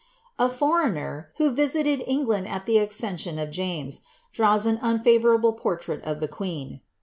A foreigner,' who visited England at the accession of James, draws en unftivourable portrait of the queen.